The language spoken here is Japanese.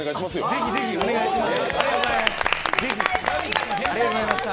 ぜひぜひ、お願いします。